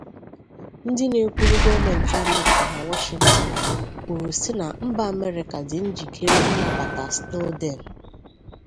Ndị na-ekwuru gọọmenti Amerịka na Wọshintin kwuru si na mba Amerịka dị njikere ịnabata Snowden